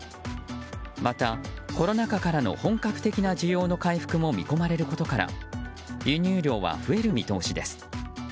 また、コロナ禍からの本格的な需要の回復も見込まれることから輸入量は増える見通しです。